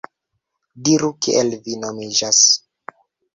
Diru, kiel vi nomiĝas?